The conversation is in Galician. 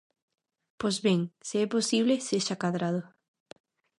Pois ben, se é posible, sexa cadrado.